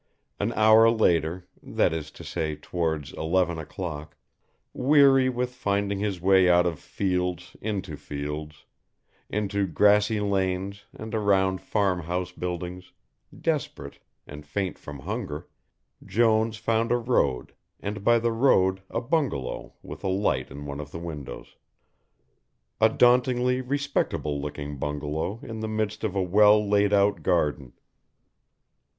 An hour later, that is to say towards eleven o'clock, weary with finding his way out of fields into fields, into grassy lanes and around farm house buildings, desperate, and faint from hunger, Jones found a road and by the road a bungalow with a light in one of the windows. A dauntingly respectable looking bungalow in the midst of a well laid out garden.